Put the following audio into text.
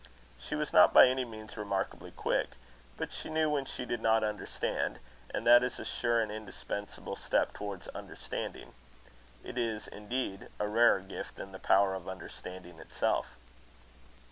She was not by any means remarkably quick, but she knew when she did not understand; and that is a sure and indispensable step towards understanding. It is indeed a rarer gift than the power of understanding itself.